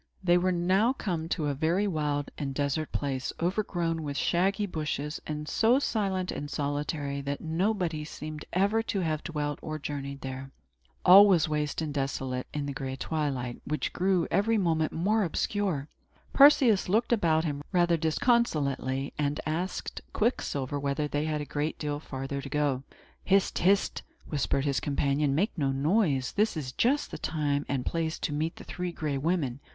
They were now come to a very wild and desert place, overgrown with shaggy bushes, and so silent and solitary that nobody seemed ever to have dwelt or journeyed there. All was waste and desolate, in the gray twilight, which grew every moment more obscure. Perseus looked about him, rather disconsolately, and asked Quicksilver whether they had a great deal farther to go. "Hist! hist!" whispered his companion. "Make no noise! This is just the time and place to meet the Three Gray Women.